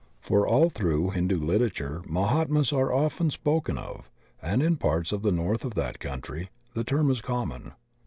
For all through Hindu literature Mahatmas are often spoken of, and in parts of the norA of that country the term is common.